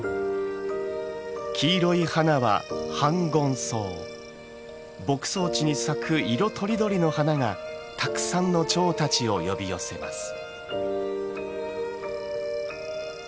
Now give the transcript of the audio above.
黄色い花は牧草地に咲く色とりどりの花がたくさんのチョウたちを呼び寄せます。